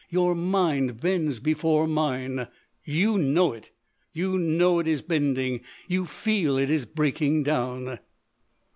Your mind bends before mine. You know it! You know it is bending. You feel it is breaking down!"